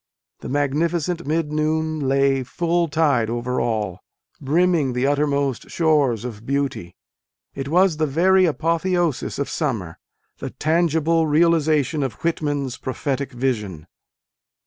The magnificent mid noon lay full tide over all, brimming the uttermost shores of beauty : it was the very apotheosis of summer, the tangible realization of Whitman s prophetic vision.